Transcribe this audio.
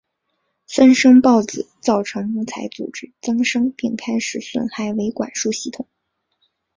分生孢子造成木材组织增生并开始损害维管束系统。